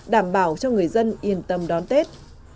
đảm bảo cho người dân yên tâm đón tết